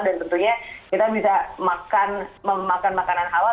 dan tentunya kita bisa makan memakan makanan halal